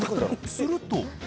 すると。